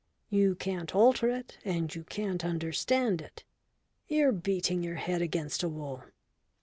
You can't alter it and you can't understand it. You're beating your head against a wall."